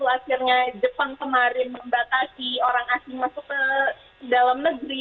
akhirnya jepang kemarin membatasi orang asing masuk ke dalam negeri